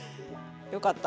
よかった。